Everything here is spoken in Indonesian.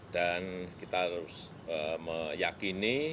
dan kita harus meyakini